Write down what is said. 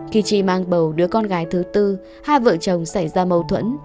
khi chi mang bầu đứa con gái thứ bốn hai vợ chồng xảy ra mâu thuẫn